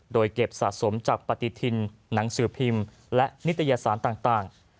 โดยเก็บสะสมจากปฏิทินหนังสือพิมพ์และนิตยสารต่าง